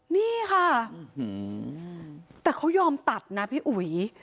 นี่ค่ะแต่เขายอมตัดนะพี่อุ๋ย